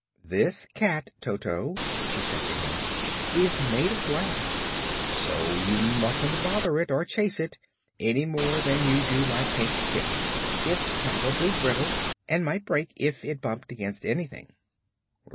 "This cat, Toto," she said to him, "is made of glass, so you mustn't bother it, or chase it, any more than you do my Pink Kitten. It's prob'ly brittle and might break if it bumped against anything."